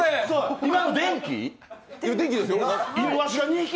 今の電気？